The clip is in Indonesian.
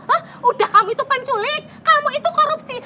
wah udah kamu itu penculik kamu itu korupsi